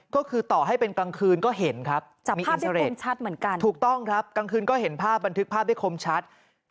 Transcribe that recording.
ก็คือต่อให้เป็นกลางคืนก็เห็นครับมีอินชัดเหมือนกันถูกต้องครับกลางคืนก็เห็นภาพบันทึกภาพได้คมชัด